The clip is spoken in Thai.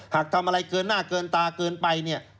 หากทำอะไรเกินหน้าเกินตาเกินไปเนี่ย